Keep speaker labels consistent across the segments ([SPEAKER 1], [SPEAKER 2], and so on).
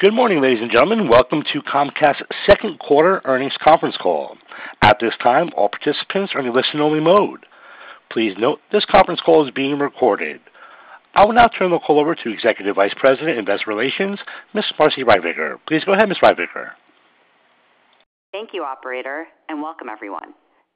[SPEAKER 1] Good morning, ladies and gentlemen. Welcome to Comcast's second quarter earnings conference call. At this time, all participants are in listen-only mode. Please note this conference call is being recorded. I will now turn the call over to Executive Vice President, Investor Relations, Ms. Marci Ryvicker. Please go ahead, Ms. Ryvicker.
[SPEAKER 2] Thank you, Operator, and welcome, everyone.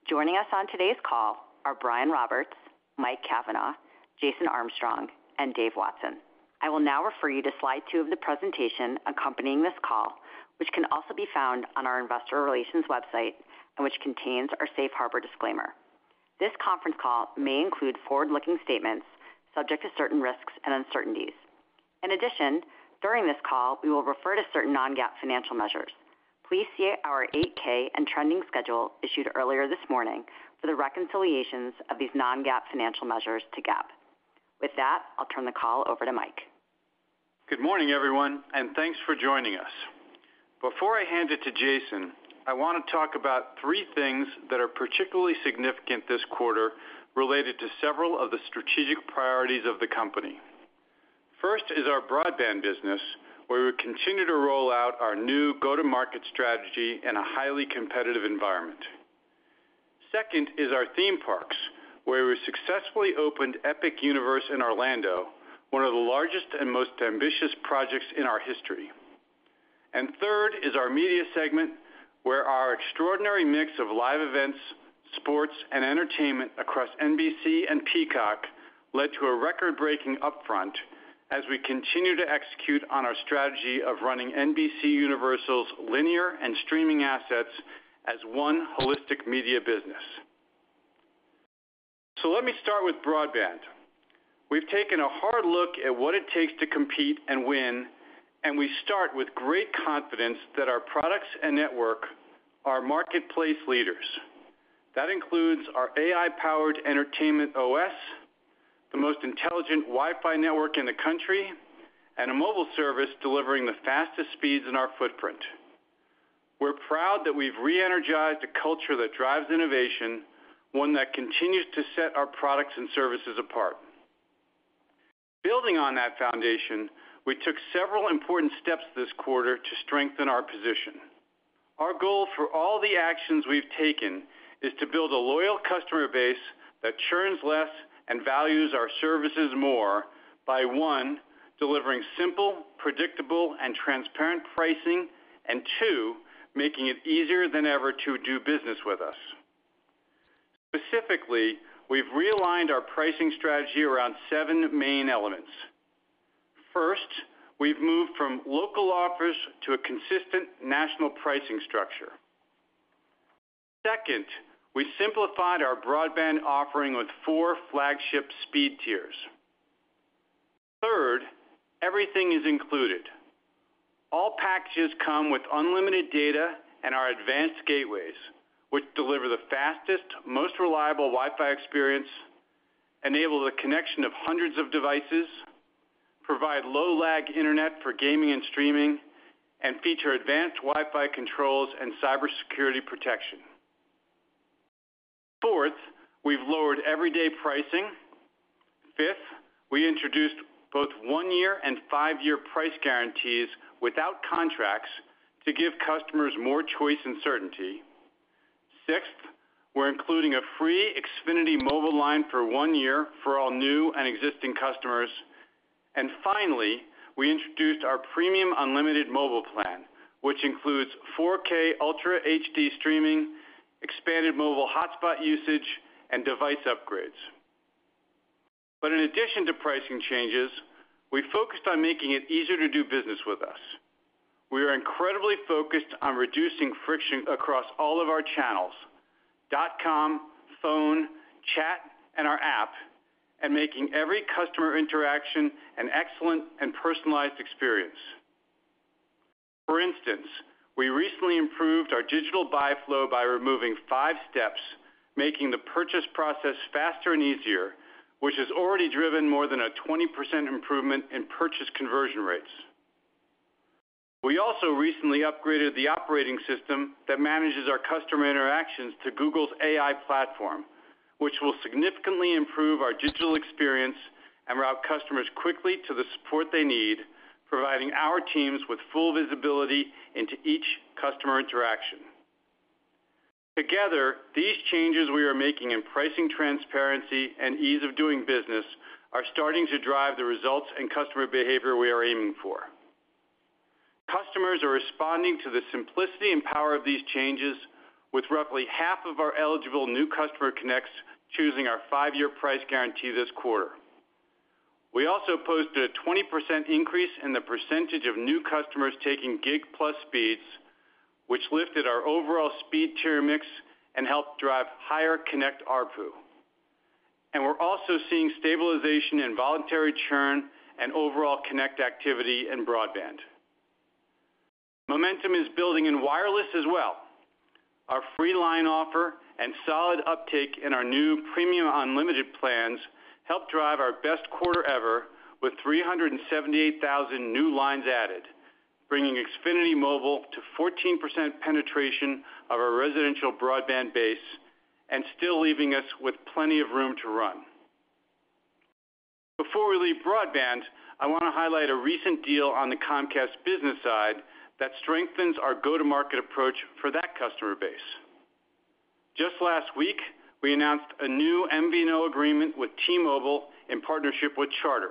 [SPEAKER 2] Joining us on today's call are Brian Roberts, Mike Cavanagh, Jason Armstrong, and Dave Watson. I will now refer you to slide two of the presentation accompanying this call, which can also be found on our Investor Relations website and which contains our safe harbor disclaimer. This conference call may include forward-looking statements subject to certain risks and uncertainties. In addition, during this call, we will refer to certain non-GAAP financial measures. Please see our 8-K and trending schedule issued earlier this morning for the reconciliations of these non-GAAP financial measures to GAAP. With that, I'll turn the call over to Mike.
[SPEAKER 3] Good morning, everyone, and thanks for joining us. Before I hand it to Jason, I want to talk about three things that are particularly significant this quarter related to several of the strategic priorities of the company. First is our broadband business, where we continue to roll out our new go-to-market strategy in a highly competitive environment. Second is our theme parks, where we successfully opened Epic Universe in Orlando, one of the largest and most ambitious projects in our history. Third is our media segment, where our extraordinary mix of live events, sports, and entertainment across NBC and Peacock led to a record-breaking upfront as we continue to execute on our strategy of running NBCUniversal's linear and streaming assets as one holistic media business. Let me start with broadband. We've taken a hard look at what it takes to compete and win, and we start with great confidence that our products and network are marketplace leaders. That includes our AI-powered entertainment OS, the most intelligent Wi-Fi network in the country, and a mobile service delivering the fastest speeds in our footprint. We're proud that we've re-energized a culture that drives innovation, one that continues to set our products and services apart. Building on that foundation, we took several important steps this quarter to strengthen our position. Our goal for all the actions we've taken is to build a loyal customer base that churns less and values our services more by, one, delivering simple, predictable, and transparent pricing, and two, making it easier than ever to do business with us. Specifically, we've realigned our pricing strategy around seven main elements. First, we've moved from local offers to a consistent national pricing structure. Second, we simplified our broadband offering with four flagship speed tiers. Third, everything is included. All packages come with unlimited data and our advanced gateways, which deliver the fastest, most reliable Wi-Fi experience, enable the connection of hundreds of devices, provide low-lag internet for gaming and streaming, and feature advanced Wi-Fi controls and cybersecurity protection. Fourth, we've lowered everyday pricing. Fifth, we introduced both one-year and five-year price guarantees without contracts to give customers more choice and certainty. Sixth, we're including a free Xfinity Mobile line for one year for all new and existing customers. We introduced our premium unlimited mobile plan, which includes 4K Ultra HD streaming, expanded mobile hotspot usage, and device upgrades. In addition to pricing changes, we focused on making it easier to do business with us. We are incredibly focused on reducing friction across all of our channels: dot com, phone, chat, and our app, and making every customer interaction an excellent and personalized experience. For instance, we recently improved our digital buy flow by removing five steps, making the purchase process faster and easier, which has already driven more than a 20% improvement in purchase conversion rates. We also recently upgraded the operating system that manages our customer interactions to Google's AI platform, which will significantly improve our digital experience and route customers quickly to the support they need, providing our teams with full visibility into each customer interaction. Together, these changes we are making in pricing transparency and ease of doing business are starting to drive the results and customer behavior we are aiming for. Customers are responding to the simplicity and power of these changes with roughly half of our eligible new customer connects choosing our five-year price guarantee this quarter. We also posted a 20% increase in the percentage of new customers taking gig-plus speeds, which lifted our overall speed tier mix and helped drive higher connect RPU. We are also seeing stabilization in voluntary churn and overall connect activity in broadband. Momentum is building in wireless as well. Our free line offer and solid uptake in our new premium unlimited plans helped drive our best quarter ever with 378,000 new lines added, bringing Xfinity Mobile to 14% penetration of our residential broadband base and still leaving us with plenty of room to run. Before we leave broadband, I want to highlight a recent deal on the Comcast business side that strengthens our go-to-market approach for that customer base. Just last week, we announced a new MVNO agreement with T-Mobile in partnership with Charter.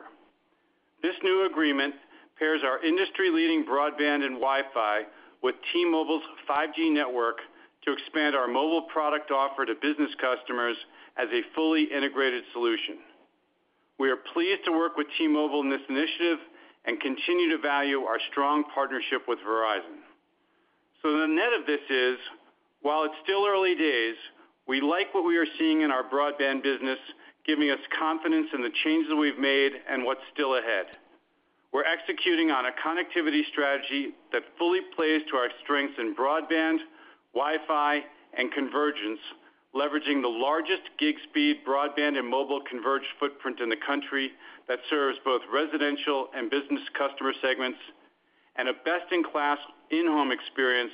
[SPEAKER 3] This new agreement pairs our industry-leading broadband and Wi-Fi with T-Mobile's 5G network to expand our mobile product offer to business customers as a fully integrated solution. We are pleased to work with T-Mobile in this initiative and continue to value our strong partnership with Verizon. The net of this is, while it's still early days, we like what we are seeing in our broadband business, giving us confidence in the changes we've made and what's still ahead. We're executing on a connectivity strategy that fully plays to our strengths in broadband, Wi-Fi, and convergence, leveraging the largest gig-speed broadband and mobile converged footprint in the country that serves both residential and business customer segments and a best-in-class in-home experience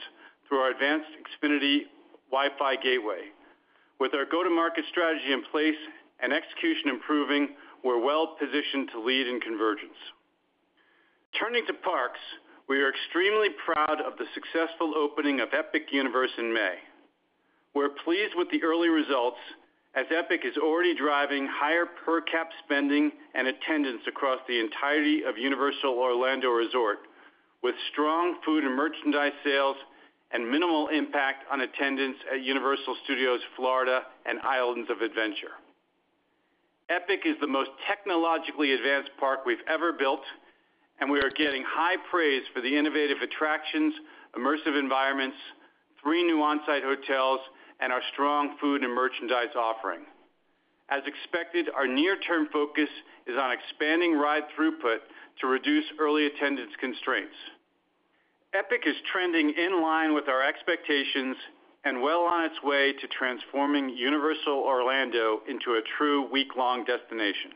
[SPEAKER 3] through our advanced Xfinity Wi-Fi gateway. With our go-to-market strategy in place and execution improving, we're well-positioned to lead in convergence. Turning to Parks, we are extremely proud of the successful opening of Epic Universe in May. We're pleased with the early results as Epic is already driving higher per-cap spending and attendance across the entirety of Universal Orlando Resort with strong food and merchandise sales and minimal impact on attendance at Universal Studios Florida and Islands of Adventure. Epic is the most technologically advanced park we've ever built, and we are getting high praise for the innovative attractions, immersive environments, three new on-site hotels, and our strong food and merchandise offering. As expected, our near-term focus is on expanding ride-throughput to reduce early attendance constraints. Epic is trending in line with our expectations and well on its way to transforming Universal Orlando into a true week-long destination.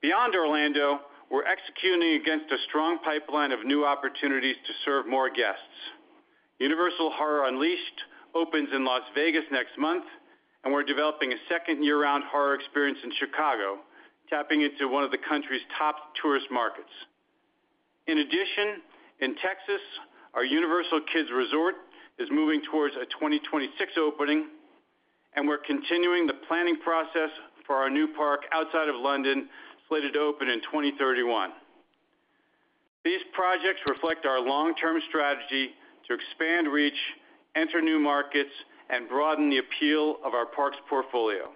[SPEAKER 3] Beyond Orlando, we're executing against a strong pipeline of new opportunities to serve more guests. Universal Horror Unleashed opens in Las Vegas next month, and we're developing a second year-round horror experience in Chicago, tapping into one of the country's top tourist markets. In addition, in Texas, our Universal Kids Resort is moving towards a 2026 opening, and we're continuing the planning process for our new park outside of London slated to open in 2031. These projects reflect our long-term strategy to expand reach, enter new markets, and broaden the appeal of our parks portfolio.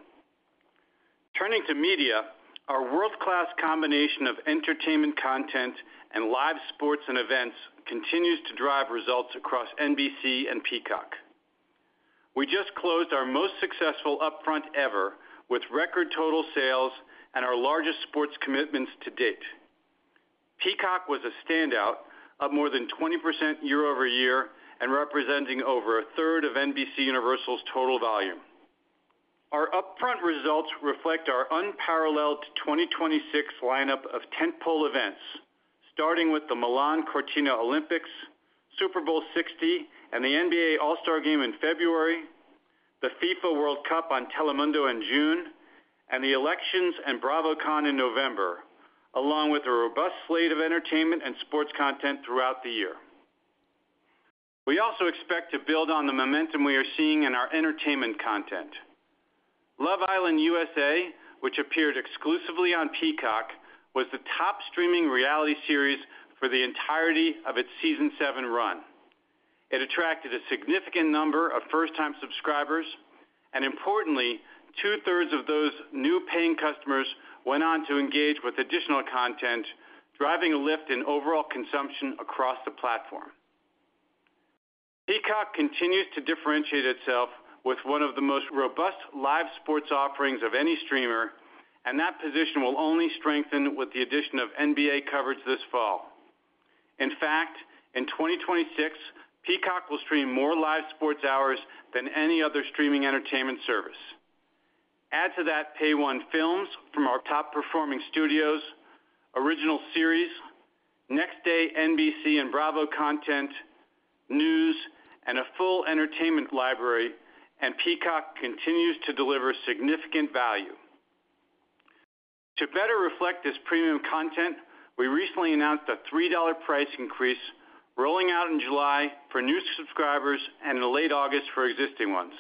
[SPEAKER 3] Turning to media, our world-class combination of entertainment content and live sports and events continues to drive results across NBC and Peacock. We just closed our most successful upfront ever with record total sales and our largest sports commitments to date. Peacock was a standout of more than 20% year-over-year and representing over a third of NBCUniversal's total volume. Our upfront results reflect our unparalleled 2026 lineup of tentpole events, starting with the Milan-Cortina Olympics, Super Bowl 60, and the NBA All-Star Game in February, the FIFA World Cup on Telemundo in June, and the elections and Bravocon in November, along with a robust slate of entertainment and sports content throughout the year. We also expect to build on the momentum we are seeing in our entertainment content. Love Island USA, which appeared exclusively on Peacock, was the top streaming reality series for the entirety of its season seven run. It attracted a significant number of first-time subscribers, and importantly, two-thirds of those new paying customers went on to engage with additional content, driving a lift in overall consumption across the platform. Peacock continues to differentiate itself with one of the most robust live sports offerings of any streamer, and that position will only strengthen with the addition of NBA coverage this fall. In fact, in 2026, Peacock will stream more live sports hours than any other streaming entertainment service. Add to that pay-one films from our top-performing studios, original series, next-day NBC and Bravo content, news, and a full entertainment library, and Peacock continues to deliver significant value. To better reflect this premium content, we recently announced a $3 price increase rolling out in July for new subscribers and in late August for existing ones.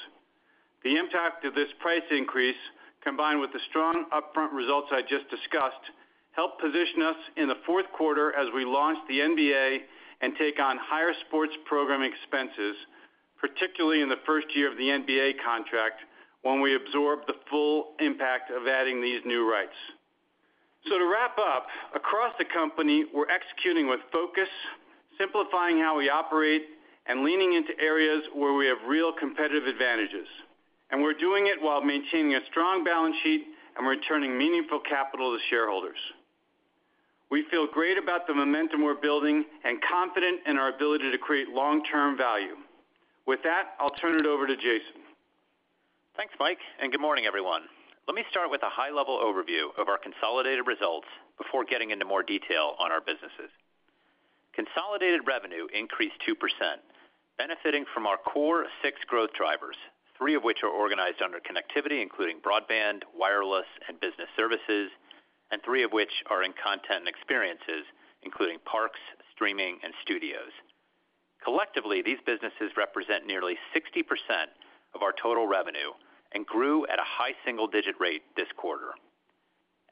[SPEAKER 3] The impact of this price increase, combined with the strong upfront results I just discussed, helped position us in the fourth quarter as we launch the NBA and take on higher sports programming expenses, particularly in the first year of the NBA contract when we absorbed the full impact of adding these new rights. To wrap up, across the company, we're executing with focus, simplifying how we operate, and leaning into areas where we have real competitive advantages. We're doing it while maintaining a strong balance sheet and returning meaningful capital to shareholders. We feel great about the momentum we're building and confident in our ability to create long-term value. With that, I'll turn it over to Jason.
[SPEAKER 4] Thanks, Mike, and good morning, everyone. Let me start with a high-level overview of our consolidated results before getting into more detail on our businesses. Consolidated revenue increased 2%, benefiting from our core six growth drivers, three of which are organized under connectivity, including broadband, wireless, and business services, and three of which are in content and experiences, including parks, streaming, and studios. Collectively, these businesses represent nearly 60% of our total revenue and grew at a high single-digit rate this quarter.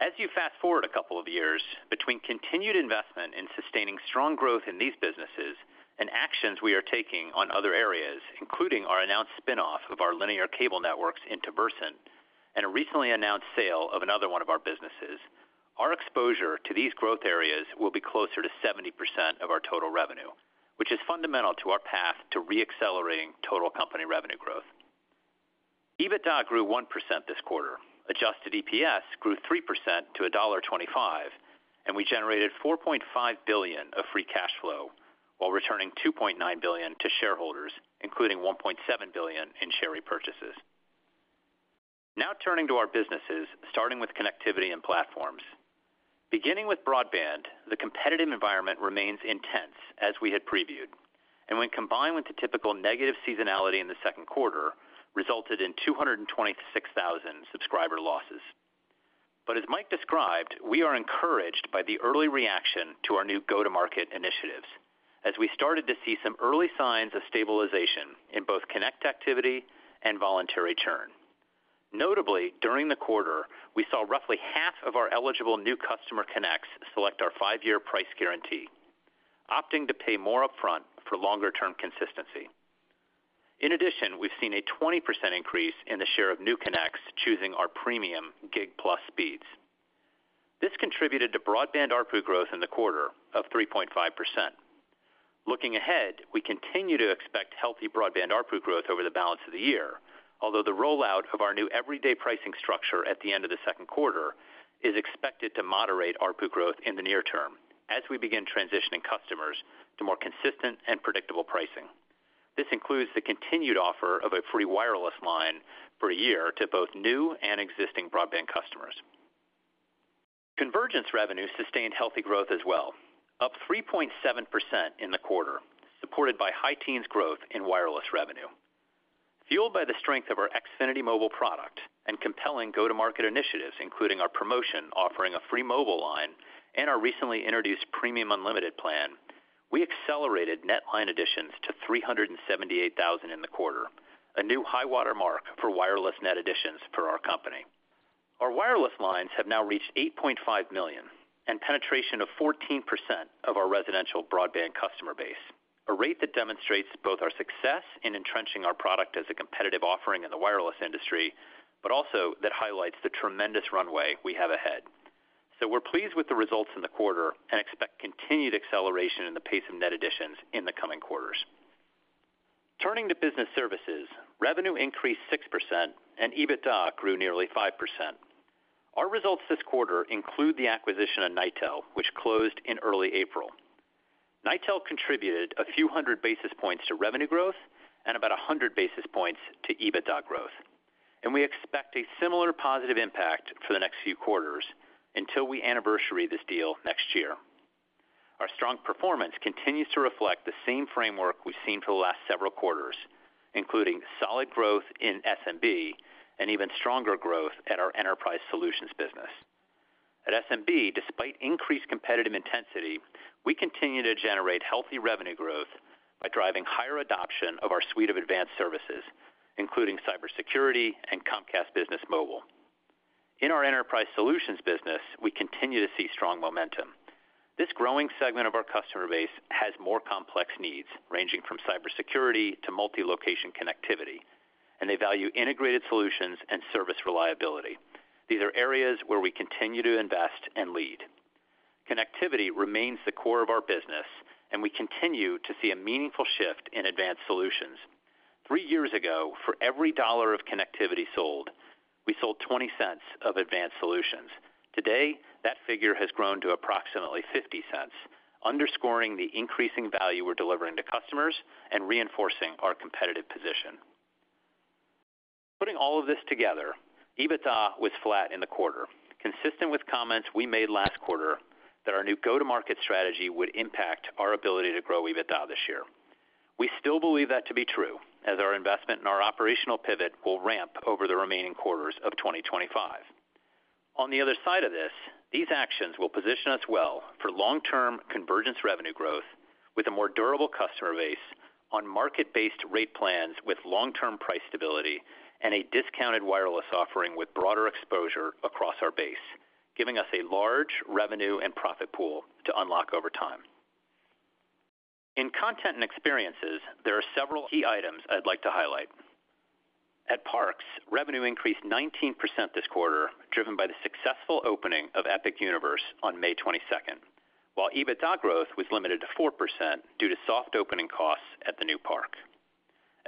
[SPEAKER 4] As you fast forward a couple of years between continued investment in sustaining strong growth in these businesses and actions we are taking on other areas, including our announced spin-off of our linear cable networks into Versant and a recently announced sale of another one of our businesses, our exposure to these growth areas will be closer to 70% of our total revenue, which is fundamental to our path to re-accelerating total company revenue growth. EBITDA grew 1% this quarter. Adjusted EPS grew 3% to $1.25, and we generated $4.5 billion of free cash flow while returning $2.9 billion to shareholders, including $1.7 billion in share repurchases. Now turning to our businesses, starting with connectivity and platforms. Beginning with broadband, the competitive environment remains intense as we had previewed, and when combined with the typical negative seasonality in the second quarter, it resulted in 226,000 subscriber losses. As Mike described, we are encouraged by the early reaction to our new go-to-market initiatives as we started to see some early signs of stabilization in both connect activity and voluntary churn. Notably, during the quarter, we saw roughly half of our eligible new customer connects select our five-year price guarantee, opting to pay more upfront for longer-term consistency. In addition, we've seen a 20% increase in the share of new connects choosing our premium gig-plus speeds. This contributed to broadband RPU growth in the quarter of 3.5%. Looking ahead, we continue to expect healthy broadband RPU growth over the balance of the year, although the rollout of our new everyday pricing structure at the end of the second quarter is expected to moderate RPU growth in the near term as we begin transitioning customers to more consistent and predictable pricing. This includes the continued offer of a free wireless line for a year to both new and existing broadband customers. Convergence revenue sustained healthy growth as well, up 3.7% in the quarter, supported by high teens growth in wireless revenue. Fueled by the strength of our Xfinity Mobile product and compelling go-to-market initiatives, including our promotion offering a free mobile line and our recently introduced premium unlimited plan, we accelerated net line additions to 378,000 in the quarter, a new high-water mark for wireless net additions for our company. Our wireless lines have now reached 8.5 million and penetration of 14% of our residential broadband customer base, a rate that demonstrates both our success in entrenching our product as a competitive offering in the wireless industry, but also that highlights the tremendous runway we have ahead. We are pleased with the results in the quarter and expect continued acceleration in the pace of net additions in the coming quarters. Turning to business services, revenue increased 6% and EBITDA grew nearly 5%. Our results this quarter include the acquisition of Nitel, which closed in early April. Nitel contributed a few hundred basis points to revenue growth and about 100 basis points to EBITDA growth, and we expect a similar positive impact for the next few quarters until we anniversary this deal next year. Our strong performance continues to reflect the same framework we've seen for the last several quarters, including solid growth in SMB and even stronger growth at our enterprise solutions business. At SMB, despite increased competitive intensity, we continue to generate healthy revenue growth by driving higher adoption of our suite of advanced services, including cybersecurity and Comcast Business Mobile. In our enterprise solutions business, we continue to see strong momentum. This growing segment of our customer base has more complex needs ranging from cybersecurity to multi-location connectivity, and they value integrated solutions and service reliability. These are areas where we continue to invest and lead. Connectivity remains the core of our business, and we continue to see a meaningful shift in advanced solutions. Three years ago, for every dollar of connectivity sold, we sold $0.20 of advanced solutions. Today, that figure has grown to approximately $0.50, underscoring the increasing value we're delivering to customers and reinforcing our competitive position. Putting all of this together, EBITDA was flat in the quarter, consistent with comments we made last quarter that our new go-to-market strategy would impact our ability to grow EBITDA this year. We still believe that to be true as our investment and our operational pivot will ramp over the remaining quarters of 2025. On the other side of this, these actions will position us well for long-term convergence revenue growth with a more durable customer base on market-based rate plans with long-term price stability and a discounted wireless offering with broader exposure across our base, giving us a large revenue and profit pool to unlock over time. In content and experiences, there are several key items I'd like to highlight. At Parks, revenue increased 19% this quarter, driven by the successful opening of Epic Universe on May 22nd, while EBITDA growth was limited to 4% due to soft opening costs at the new park.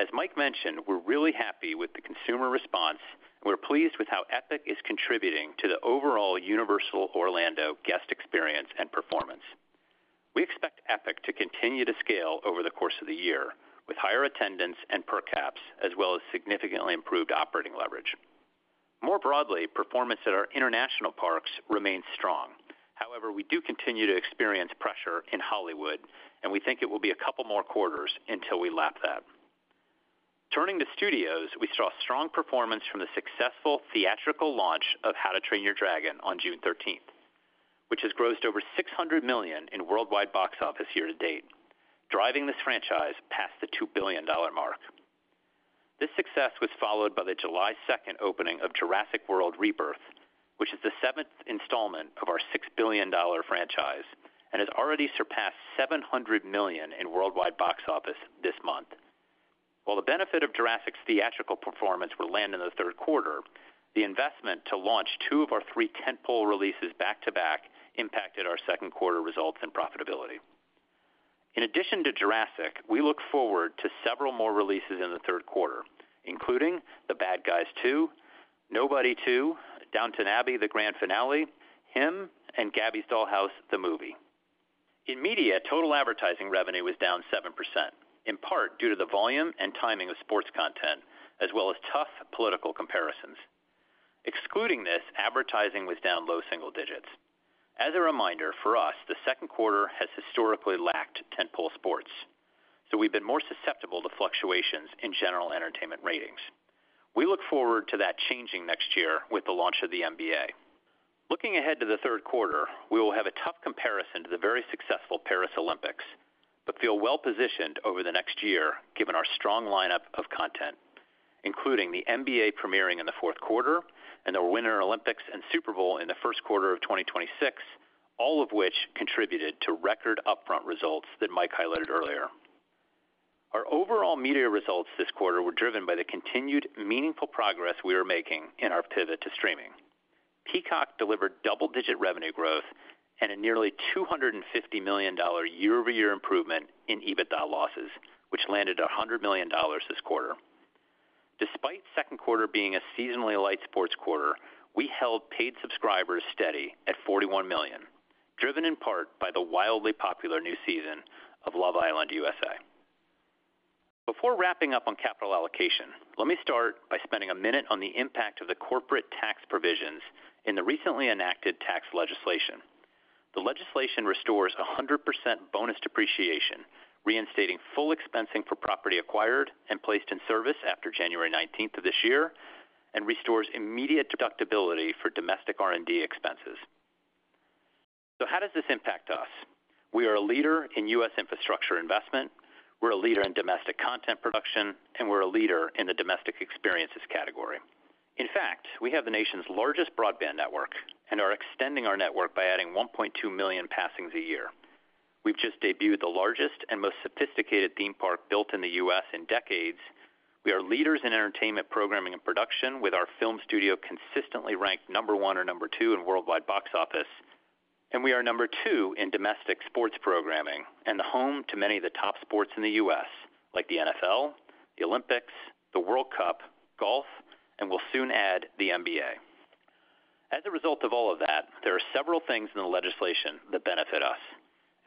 [SPEAKER 4] As Mike mentioned, we're really happy with the consumer response, and we're pleased with how Epic is contributing to the overall Universal Orlando guest experience and performance. We expect Epic to continue to scale over the course of the year with higher attendance and per caps, as well as significantly improved operating leverage. More broadly, performance at our international parks remains strong. However, we do continue to experience pressure in Hollywood, and we think it will be a couple more quarters until we lap that. Turning to studios, we saw strong performance from the successful theatrical launch of How to Train Your Dragon on June 13th, which has grossed over $600 million in worldwide box office year to date, driving this franchise past the $2 billion mark. This success was followed by the July 2nd opening of Jurassic World: Rebirth, which is the seventh installment of our $6 billion franchise and has already surpassed $700 million in worldwide box office this month. While the benefit of Jurassic's theatrical performance will land in the third quarter, the investment to launch two of our three tentpole releases back to back impacted our second quarter results and profitability. In addition to Jurassic, we look forward to several more releases in the third quarter, including The Bad Guys 2, Nobody 2, Downton Abbey: The Grand Finale, Him, and Gabby's Dollhouse: The Movie. In media, total advertising revenue was down 7%, in part due to the volume and timing of sports content as well as tough political comparisons. Excluding this, advertising was down low single digits. As a reminder, for us, the second quarter has historically lacked tentpole sports, so we've been more susceptible to fluctuations in general entertainment ratings. We look forward to that changing next year with the launch of the NBA. Looking ahead to the third quarter, we will have a tough comparison to the very successful Paris Olympics, but feel well positioned over the next year given our strong lineup of content, including the NBA premiering in the fourth quarter and the Winter Olympics and Super Bowl 60 in the first quarter of 2026, all of which contributed to record upfront results that Mike Cavanagh highlighted earlier. Our overall media results this quarter were driven by the continued meaningful progress we are making in our pivot to streaming. Peacock delivered double-digit revenue growth and a nearly $250 million year-over-year improvement in EBITDA losses, which landed $100 million this quarter. Despite second quarter being a seasonally light sports quarter, we held paid subscribers steady at 41 million, driven in part by the wildly popular new season of Love Island USA. Before wrapping up on capital allocation, let me start by spending a minute on the impact of the corporate tax provisions in the recently enacted tax legislation. The legislation restores 100% bonus depreciation, reinstating full expensing for property acquired and placed in service after January 19th of this year, and restores immediate deductibility for domestic R&D expenses. How does this impact us? We are a leader in U.S. infrastructure investment. We're a leader in domestic content production, and we're a leader in the domestic experiences category. In fact, we have the nation's largest broadband network and are extending our network by adding 1.2 million passings a year. We've just debuted the largest and most sophisticated theme park built in the U.S. in decades. We are leaders in entertainment programming and production with our film studio consistently ranked number one or number two in worldwide box office, and we are number two in domestic sports programming and the home to many of the top sports in the U.S., like the NFL, the Olympics, the FIFA World Cup, golf, and we'll soon add the NBA. As a result of all of that, there are several things in the legislation that benefit us,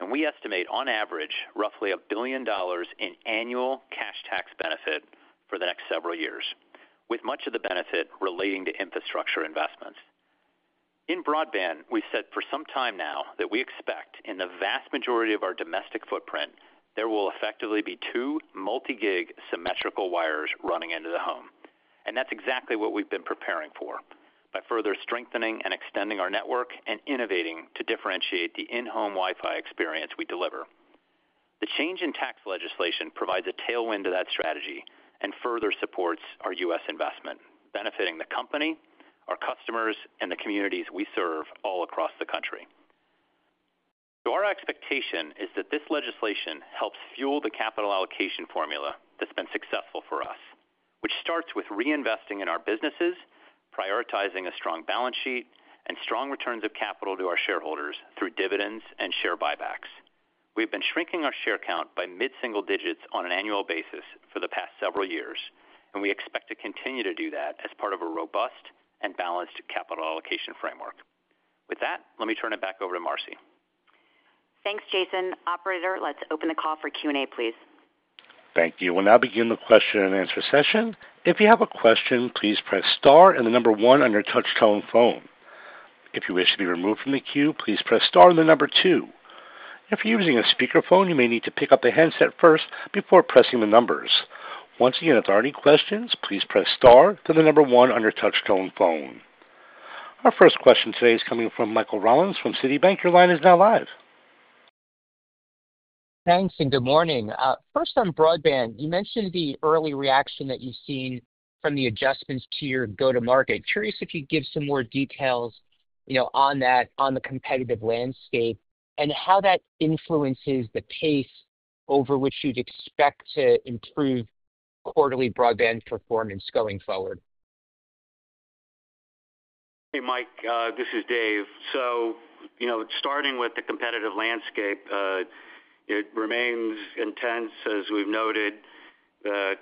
[SPEAKER 4] and we estimate, on average, roughly $1 billion in annual cash tax benefit for the next several years, with much of the benefit relating to infrastructure investments. In broadband, we've said for some time now that we expect in the vast majority of our domestic footprint, there will effectively be two multi-gig symmetrical wires running into the home, and that's exactly what we've been preparing for by further strengthening and extending our network and innovating to differentiate the in-home Wi-Fi experience we deliver. The change in tax legislation provides a tailwind to that strategy and further supports our U.S. investment, benefiting the company, our customers, and the communities we serve all across the country. Our expectation is that this legislation helps fuel the capital allocation formula that's been successful for us, which starts with reinvesting in our businesses, prioritizing a strong balance sheet, and strong returns of capital to our shareholders through dividends and share buybacks. We've been shrinking our share count by mid-single digits on an annual basis for the past several years, and we expect to continue to do that as part of a robust and balanced capital allocation framework. With that, let me turn it back over to Marci.
[SPEAKER 2] Thanks, Jason. Operator, let's open the call for Q&A, please.
[SPEAKER 1] Thank you. We'll now begin the question and answer session. If you have a question, please press Star and the number one on your touch-tone phone. If you wish to be removed from the queue, please press Star and the number two. If you're using a speakerphone, you may need to pick up the handset first before pressing the numbers. Once again, if there are any questions, please press Star and the number one on your touch-tone phone. Our first question today is coming from Michael Rollins from Citibank. Your line is now live.
[SPEAKER 5] Thanks and good morning. First, on broadband, you mentioned the early reaction that you've seen from the adjustments to your go-to-market. Curious if you'd give some more details on the competitive landscape and how that influences the pace over which you'd expect to improve quarterly broadband performance going forward.
[SPEAKER 6] Hey, Mike, this is Dave. Starting with the competitive landscape. It remains intense, as we've noted.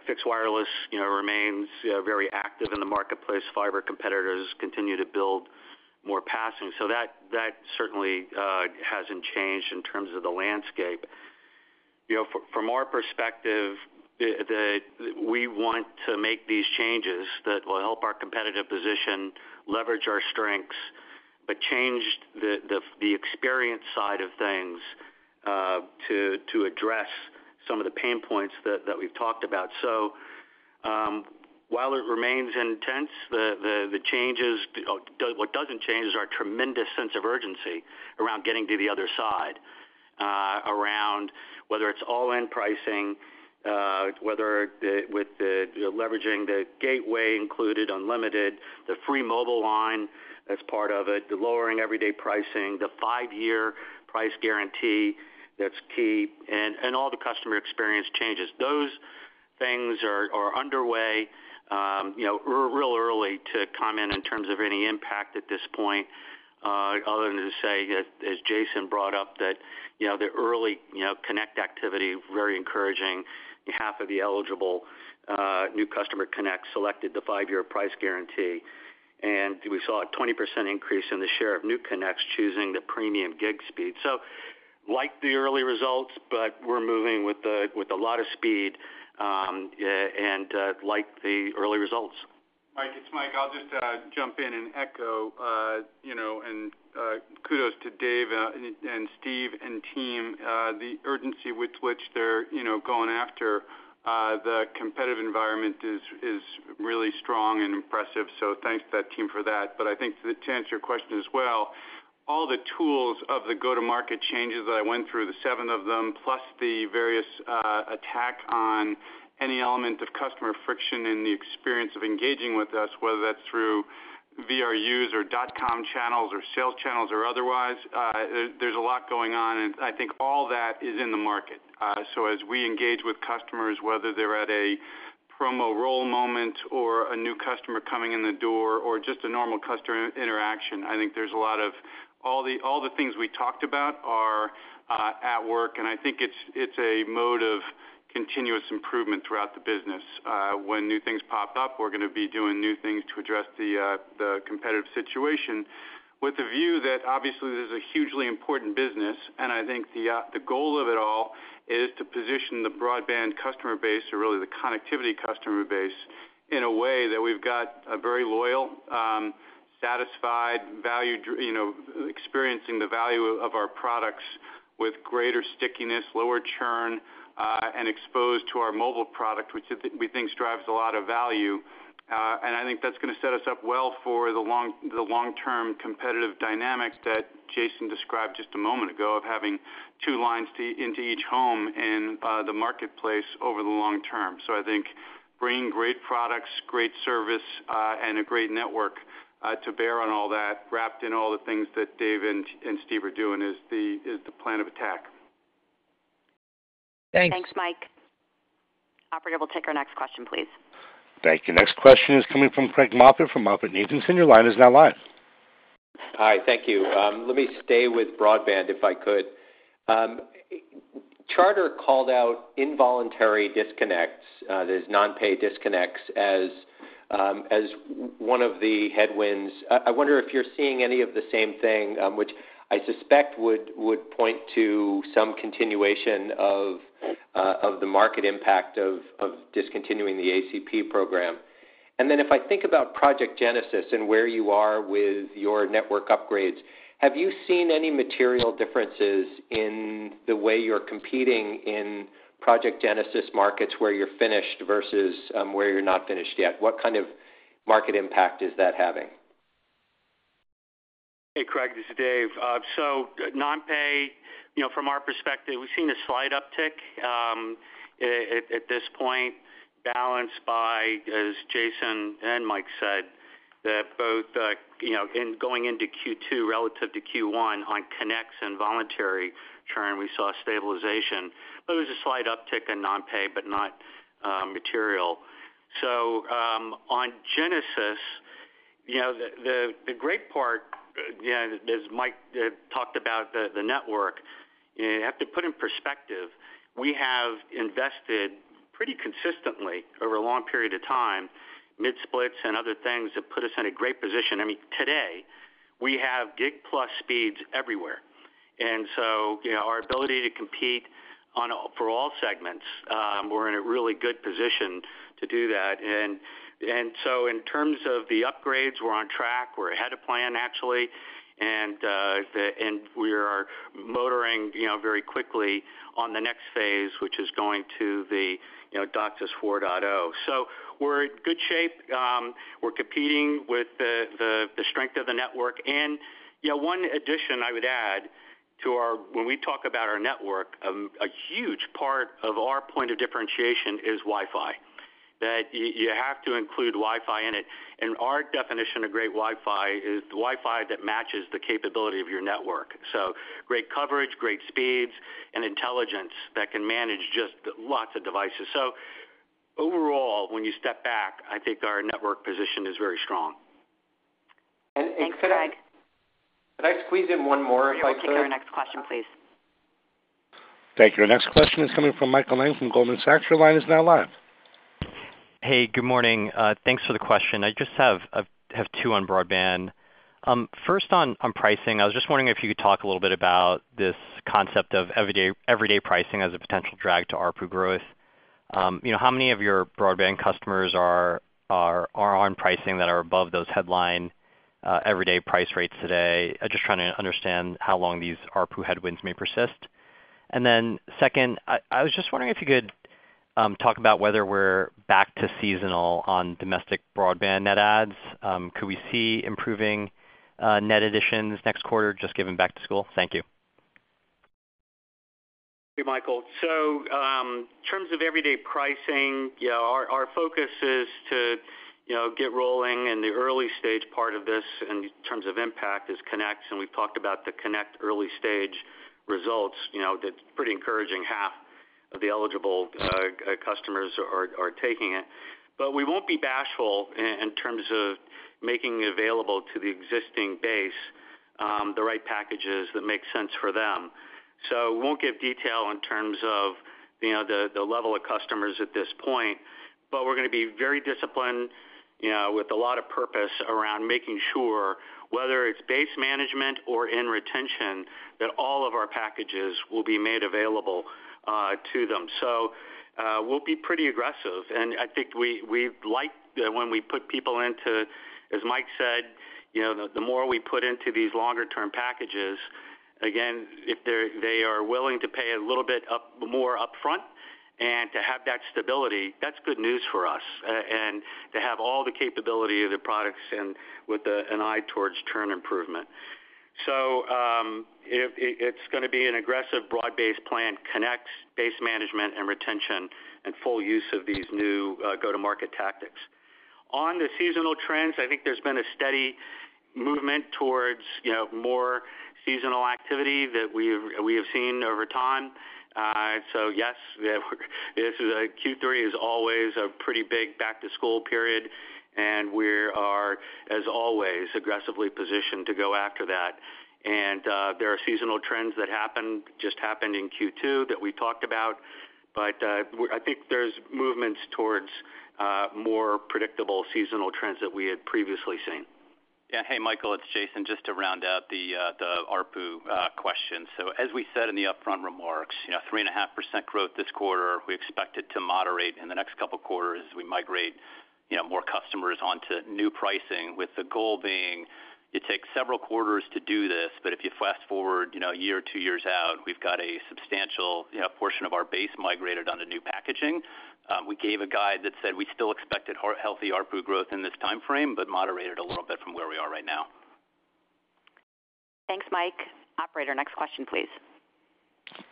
[SPEAKER 6] Fixed wireless remains very active in the marketplace. Fiber competitors continue to build more passing. That certainly hasn't changed in terms of the landscape from our perspective. We want to make these changes that will help our competitive position, leverage our strengths, but change the experience side of things to address some of the pain points that we've talked about. While it remains intense, the changes—what doesn't change is our tremendous sense of urgency around getting to the other side, around whether it's all-in pricing, with leveraging the gateway included unlimited, the free mobile line as part of it, the lowering everyday pricing, the five-year price guarantee that's key, and all the customer experience changes. Those things are underway. Real early to comment in terms of any impact at this point, other than to say, as Jason brought up, that the early connect activity is very encouraging. Half of the eligible new customer connects selected the five-year price guarantee, and we saw a 20% increase in the share of new connects choosing the premium gig speed. We like the early results, but we're moving with a lot of speed.
[SPEAKER 3] Mike, it's Mike. I'll just jump in and echo, and kudos to Dave and Steve and team. The urgency with which they're going after the competitive environment is really strong and impressive. Thanks to that team for that. I think to answer your question as well, all the tools of the go-to-market changes that I went through, the seven of them, plus the various attacks on any element of customer friction in the experience of engaging with us, whether that's through VRUs or dot-com channels or sales channels or otherwise, there's a lot going on. I think all that is in the market. As we engage with customers, whether they're at a promo roll moment or a new customer coming in the door or just a normal customer interaction, I think all the things we talked about are at work. I think it's a mode of continuous improvement throughout the business. When new things pop up, we're going to be doing new things to address the competitive situation with a view that, obviously, this is a hugely important business. I think the goal of it all is to position the broadband customer base or really the connectivity customer base in a way that we've got a very loyal, satisfied, valued—experiencing the value of our products with greater stickiness, lower churn, and exposed to our mobile product, which we think drives a lot of value. I think that's going to set us up well for the long-term competitive dynamic that Jason described just a moment ago of having two lines into each home in the marketplace over the long term. I think bringing great products, great service, and a great network to bear on all that, wrapped in all the things that Dave and Steve are doing, is the plan of attack.
[SPEAKER 5] Thanks.
[SPEAKER 2] Thanks, Mike. Operator, we'll take our next question, please.
[SPEAKER 1] Thank you. Next question is coming from Craig Moffett from MoffettNathanson. Your line is now live.
[SPEAKER 7] Hi, thank you. Let me stay with broadband if I could. Charter called out involuntary disconnects, those non-pay disconnects, as one of the headwinds. I wonder if you're seeing any of the same thing, which I suspect would point to some continuation of the market impact of discontinuing the ACP program. If I think about Project Genesis and where you are with your network upgrades, have you seen any material differences in the way you're competing in Project Genesis markets where you're finished versus where you're not finished yet? What kind of market impact is that having?
[SPEAKER 6] Hey, Craig, this is Dave. Non-pay, from our perspective, we've seen a slight uptick at this point, balanced by, as Jason and Mike said, that both in going into Q2 relative to Q1 on connects and voluntary churn, we saw stabilization. It was a slight uptick in non-pay, but not material. On Genesis, the great part, as Mike talked about the network, you have to put in perspective, we have invested pretty consistently over a long period of time, mid-splits and other things that put us in a great position. I mean, today, we have gig-plus speeds everywhere, and our ability to compete for all segments, we're in a really good position to do that. In terms of the upgrades, we're on track. We're ahead of plan, actually, and we are motoring very quickly on the next phase, which is going to the DOCSIS 4.0. We're in good shape. We're competing with the strength of the network. One addition I would add to our network, a huge part of our point of differentiation is Wi-Fi. You have to include Wi-Fi in it, and our definition of great Wi-Fi is the Wi-Fi that matches the capability of your network. Great coverage, great speeds, and intelligence that can manage just lots of devices. Overall, when you step back, I think our network position is very strong.
[SPEAKER 7] Could I squeeze in one more if I could?
[SPEAKER 2] Yeah, take your next question, please. Thank you.
[SPEAKER 1] Our next question is coming from Mikael Lang from Goldman Sachs. Your line is now live.
[SPEAKER 8] Hey, good morning. Thanks for the question. I just have two on broadband. First, on pricing, I was just wondering if you could talk a little bit about this concept of everyday pricing as a potential drag to ARPU growth. How many of your broadband customers are on pricing that are above those headline everyday price rates today? Just trying to understand how long these ARPU headwinds may persist. Second, I was just wondering if you could talk about whether we're back to seasonal on domestic broadband net adds. Could we see improving net additions next quarter, just given back to school? Thank you.
[SPEAKER 3] Thank you, Mikael. In terms of everyday pricing, our focus is to get rolling in the early stage part of this. In terms of impact, it is connects. We've talked about the connect early stage results. It's pretty encouraging. Half of the eligible customers are taking it. We won't be bashful in terms of making available to the existing base the right packages that make sense for them. We won't give detail in terms of the level of customers at this point, but we're going to be very disciplined with a lot of purpose around making sure, whether it's base management or in retention, that all of our packages will be made available to them. We'll be pretty aggressive. I think we like when we put people into, as Mike said, the more we put into these longer-term packages, again, if they are willing to pay a little bit more upfront and to have that stability, that's good news for us, and to have all the capability of the products and with an eye towards churn improvement. It's going to be an aggressive broad-based plan: connects, base management, and retention, and full use of these new go-to-market tactics. On the seasonal trends, I think there's been a steady movement towards more seasonal activity that we have seen over time. Yes, Q3 is always a pretty big back-to-school period, and we are, as always, aggressively positioned to go after that. There are seasonal trends that just happened in Q2 that we talked about. I think there's movements towards more predictable seasonal trends that we had previously seen.
[SPEAKER 4] Yeah. Hey, Mikael, it's Jason just to round out the ARPU question. As we said in the upfront remarks, 3.5% growth this quarter, we expect it to moderate in the next couple of quarters as we migrate more customers onto new pricing, with the goal being it takes several quarters to do this. If you fast forward a year or two years out, we've got a substantial portion of our base migrated onto new packaging. We gave a guide that said we still expected healthy ARPU growth in this timeframe, but moderated a little bit from where we are right now.
[SPEAKER 2] Thanks, Mike. Operator, next question, please.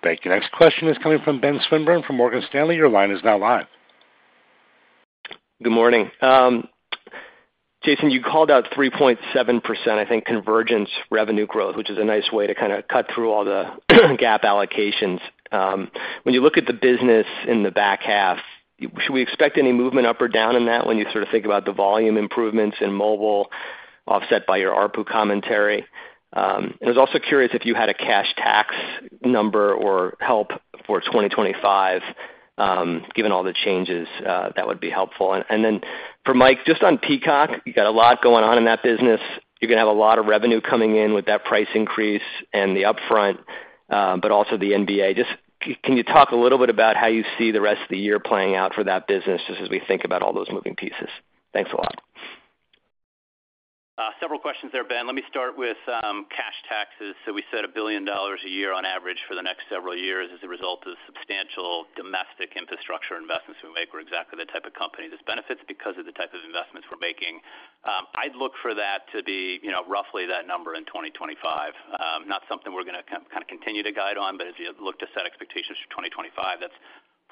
[SPEAKER 1] Thank you. Next question is coming from Ben Swinburne from Morgan Stanley. Your line is now live.
[SPEAKER 9] Good morning. Jason, you called out 3.7%, I think, convergence revenue growth, which is a nice way to kind of cut through all the gap allocations. When you look at the business in the back half, should we expect any movement up or down in that when you sort of think about the volume improvements in mobile offset by your ARPU commentary? I was also curious if you had a cash tax number or help for 2025. Given all the changes, that would be helpful. For Mike, just on Peacock, you've got a lot going on in that business. You're going to have a lot of revenue coming in with that price increase and the upfront. Also the NBA. Can you talk a little bit about how you see the rest of the year playing out for that business just as we think about all those moving pieces? Thanks a lot.
[SPEAKER 4] Several questions there, Ben. Let me start with cash taxes. We said $1 billion a year on average for the next several years as a result of substantial domestic infrastructure investments we make. We're exactly the type of company that benefits because of the type of investments we're making. I'd look for that to be roughly that number in 2025. Not something we're going to kind of continue to guide on, but as you look to set expectations for 2025, that's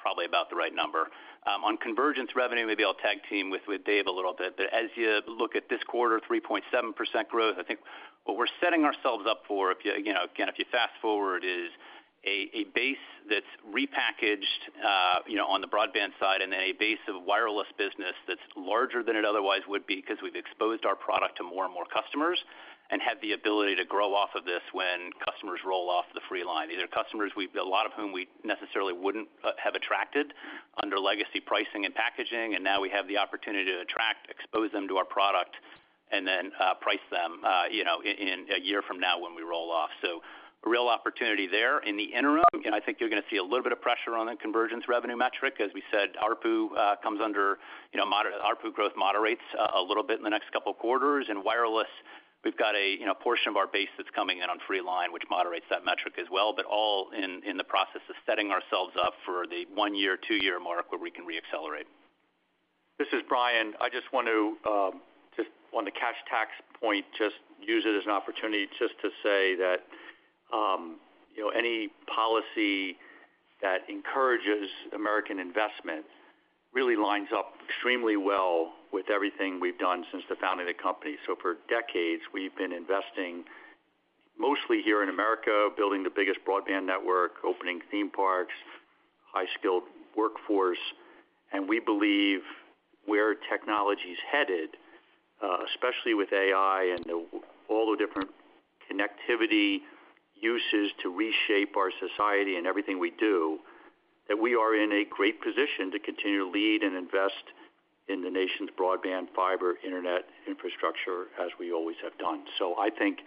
[SPEAKER 4] probably about the right number. On convergence revenue, maybe I'll tag team with Dave a little bit. As you look at this quarter, 3.7% growth, I think what we're setting ourselves up for, again, if you fast forward, is a base that's repackaged on the broadband side and then a base of wireless business that's larger than it otherwise would be because we've exposed our product to more and more customers and have the ability to grow off of this when customers roll off the free line. These are customers, a lot of whom we necessarily wouldn't have attracted under legacy pricing and packaging. Now we have the opportunity to attract, expose them to our product, and then price them in a year from now when we roll off. Real opportunity there. In the interim, I think you're going to see a little bit of pressure on the convergence revenue metric. As we said, ARPU comes under. ARPU growth moderates a little bit in the next couple of quarters. In wireless, we've got a portion of our base that's coming in on free line, which moderates that metric as well, all in the process of setting ourselves up for the one-year, two-year mark where we can reaccelerate.
[SPEAKER 10] This is Brian. Just on the cash tax point, just use it as an opportunity to say that any policy that encourages American investment really lines up extremely well with everything we've done since the founding of the company. For decades, we've been investing, mostly here in America, building the biggest broadband network, opening theme parks, high-skilled workforce. We believe where technology's headed, especially with AI and all the different connectivity uses to reshape our society and everything we do, that we are in a great position to continue to lead and invest in the nation's broadband fiber internet infrastructure as we always have done. I think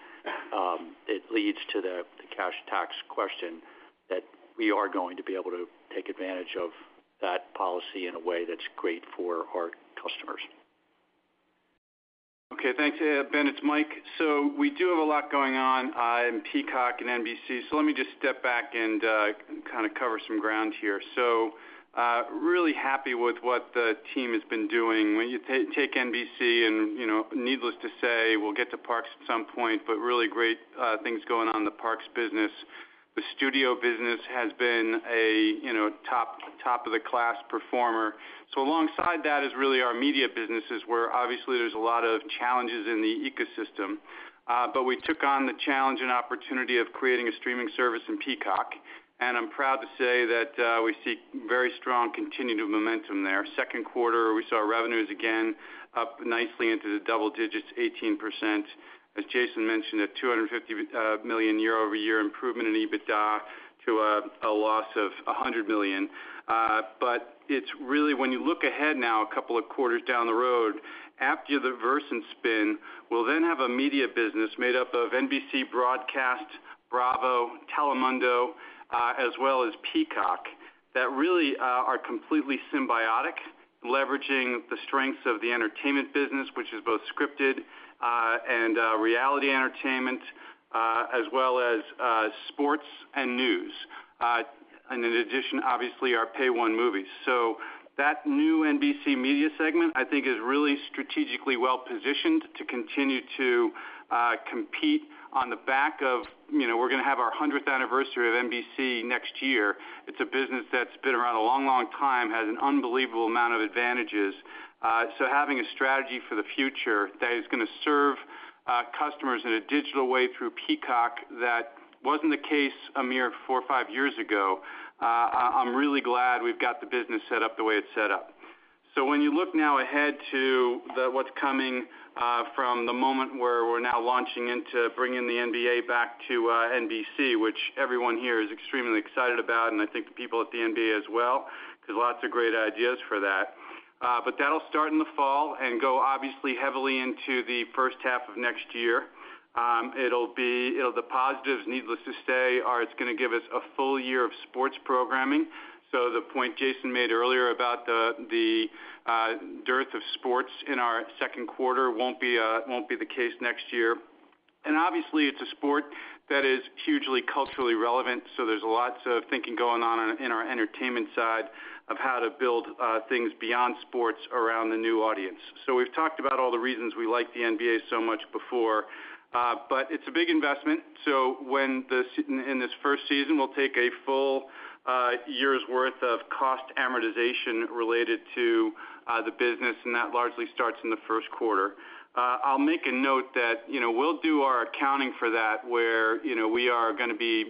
[SPEAKER 10] it leads to the cash tax question that we are going to be able to take advantage of that policy in a way that's great for our customers.
[SPEAKER 3] Okay. Thanks, Ben. It's Mike. We do have a lot going on in Peacock and NBC. Let me just step back and kind of cover some ground here. Really happy with what the team has been doing. When you take NBC, and needless to say, we'll get to Parks at some point, but really great things going on in the Parks business. The studio business has been a top-of-the-class performer. Alongside that is really our media businesses, where obviously there's a lot of challenges in the ecosystem. We took on the challenge and opportunity of creating a streaming service in Peacock. I'm proud to say that we see very strong continued momentum there. Second quarter, we saw revenues again up nicely into the double digits, 18%. As Jason mentioned, a $250 million year-over-year improvement in EBITDA to a loss of $100 million. It's really, when you look ahead now, a couple of quarters down the road, after the Versant spin, we'll then have a media business made up of NBC, Broadcast, Bravo, Telemundo, as well as Peacock that really are completely symbiotic, leveraging the strengths of the entertainment business, which is both scripted and reality entertainment, as well as sports and news. In addition, obviously, our pay-one movies. That new NBC media segment, I think, is really strategically well-positioned to continue to compete on the back of we're going to have our 100th anniversary of NBC next year. It's a business that's been around a long, long time, has an unbelievable amount of advantages. Having a strategy for the future that is going to serve customers in a digital way through Peacock that wasn't the case a mere four or five years ago, I'm really glad we've got the business set up the way it's set up. When you look now ahead to what's coming from the moment where we're now launching into bringing the NBA back to NBC, which everyone here is extremely excited about, and I think the people at the NBA as well, because lots of great ideas for that. That'll start in the fall and go obviously heavily into the first half of next year. The positives, needless to say, are it's going to give us a full year of sports programming. The point Jason made earlier about the dearth of sports in our second quarter won't be the case next year. Obviously, it's a sport that is hugely culturally relevant. There's lots of thinking going on in our entertainment side of how to build things beyond sports around the new audience. We've talked about all the reasons we like the NBA so much before. It's a big investment. In this first season, we'll take a full year's worth of cost amortization related to the business, and that largely starts in the first quarter. I'll make a note that we'll do our accounting for that, where we are going to be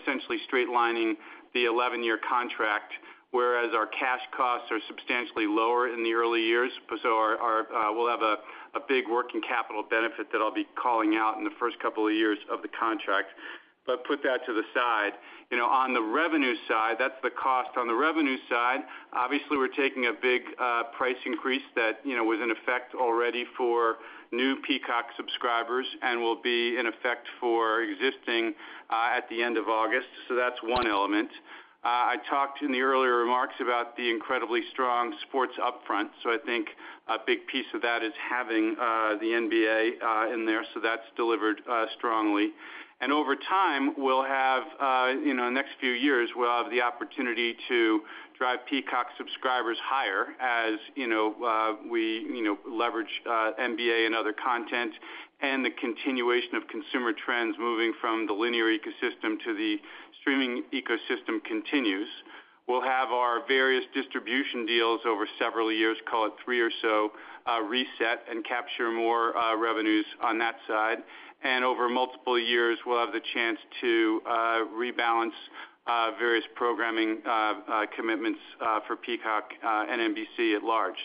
[SPEAKER 3] essentially straightlining the 11-year contract, whereas our cash costs are substantially lower in the early years. We'll have a big working capital benefit that I'll be calling out in the first couple of years of the contract. Put that to the side. On the revenue side, that's the cost. On the revenue side, obviously, we're taking a big price increase that was in effect already for new Peacock subscribers and will be in effect for existing at the end of August. That's one element. I talked in the earlier remarks about the incredibly strong sports upfront. I think a big piece of that is having the NBA in there. That's delivered strongly. Over time, we'll have, in the next few years, the opportunity to drive Peacock subscribers higher as we leverage NBA and other content and the continuation of consumer trends moving from the linear ecosystem to the streaming ecosystem continues. We'll have our various distribution deals over several years, call it three or so, reset and capture more revenues on that side. Over multiple years, we'll have the chance to rebalance various programming commitments for Peacock and NBC at large.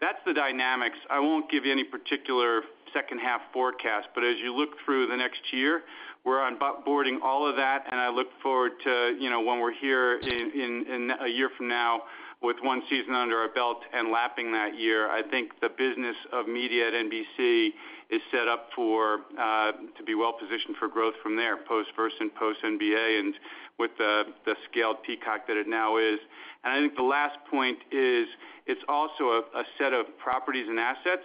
[SPEAKER 3] That's the dynamics. I won't give you any particular second-half forecast, but as you look through the next year, we're onboarding all of that. I look forward to when we're here a year from now with one season under our belt and lapping that year. I think the business of media at NBC is set up to be well-positioned for growth from there, post-Versant, post-NBA, and with the scaled Peacock that it now is. I think the last point is it's also a set of properties and assets